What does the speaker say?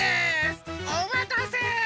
おまたせ！